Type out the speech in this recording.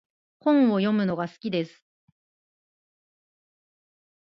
本を読むのが好きです。